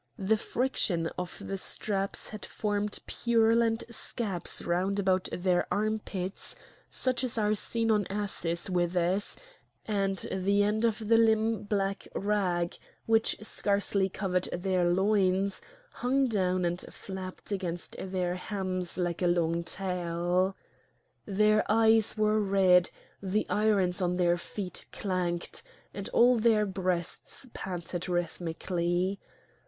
The friction of the straps had formed purulent scabs round about their armpits such as are seen on asses' withers, and the end of the limp black rag, which scarcely covered their loins, hung down and flapped against their hams like a long tail. Their eyes were red, the irons on their feet clanked, and all their breasts panted rhythmically.